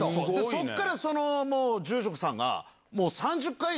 そっからその住職さんが。